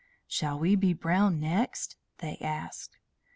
"Shall we be brown next?" they asked.